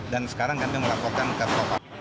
dan sekarang kami melaporkan ke narkoba